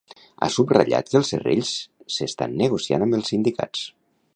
Ha subratllat que els serrells s'estan negociant amb els sindicats.